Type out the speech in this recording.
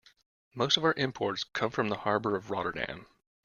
Most of our imports come from the harbor of Rotterdam.